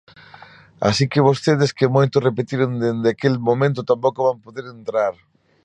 Así que vostedes, que moito o repetiron dende aquel momento, tampouco van poder entrar.